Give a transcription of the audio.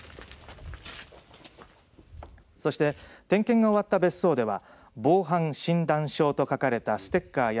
そして、点検が終わった別荘では防犯診断証と書かれたステッカーや